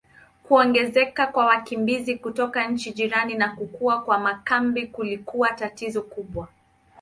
Kuongezeka kwa wakimbizi kutoka nchi jirani na kukua kwa makambi kulikuwa tatizo kubwa.